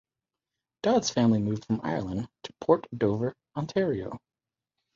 Dodd's family moved from Ireland to Port Dover, Ontario.